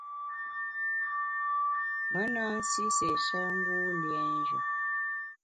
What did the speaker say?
Me na nsi séé-sha ngu liénjù.